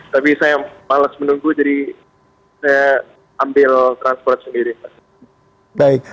tapi saya males menunggu jadi saya ambil transport sendiri